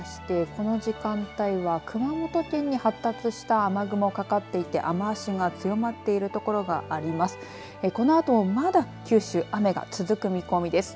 この時間帯は熊本県に発達した雨雲かかっていて雨足が強まっている所があります。